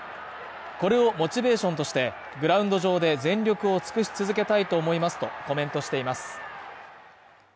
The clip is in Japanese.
これをモチベーションとして、グラウンド上で全力を尽くし続けたいと思いますとコメントしています。